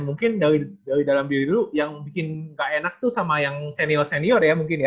mungkin dari dalam diri dulu yang bikin gak enak tuh sama yang senior senior ya mungkin ya